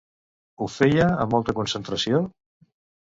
Ho feia amb molta concentració?